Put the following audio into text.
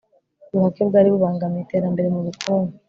ubuhake bwari bubangamiye iterambere mu bukungu